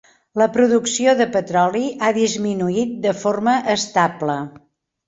La producció de petroli ha disminuït de forma estable.